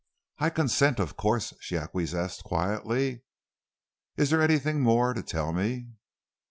"I consent, of course," she acquiesced quietly. "Is there anything more to tell me?"